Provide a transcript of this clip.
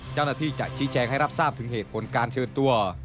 เจ้าหน้าที่จะชี้แจงให้รับทราบถึงเหตุผลการเชิญตัว